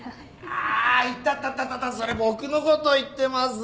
あ痛たたそれ僕のこと言ってます？